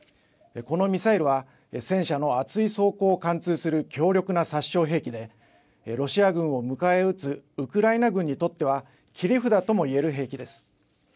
このミサイルは戦車の厚い装甲を貫通する強力な殺傷兵器でロシア軍を迎え撃つウクライナ軍にとっては切り札ともいえる兵器です。